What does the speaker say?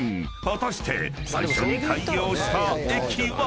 ［果たして最初に開業した駅は？］